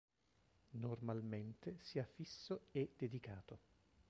Normalmente sia fisso e dedicato.